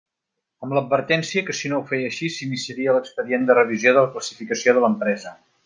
Amb l'advertència que, si no ho feia així, s'iniciaria l'expedient de revisió de la classificació de l'empresa.